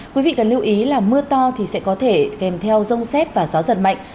quý vị cần lưu ý là mưa to thì sẽ có thể kèm theo rông xét và gió giật mạnh